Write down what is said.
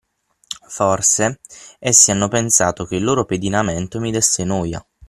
Forse, essi hanno pensato che il loro pedinamento mi desse noia.